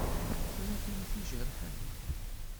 Tella tin i d-ijerḥen?